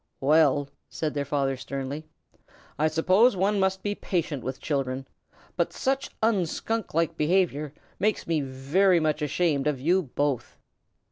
"Well," said their father sternly, "I suppose one must be patient with children, but such unskunklike behavior makes me very much ashamed of you both."